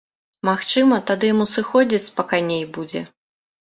Магчыма, тады яму сыходзіць спакайней будзе.